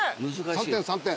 ３点３点。